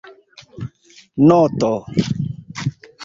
noto